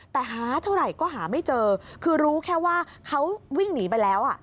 แต่หาเท่าไหร่ก็หาไม่เจอคือรู้แค่ว่าเขาวิ่งหนีไปแล้ว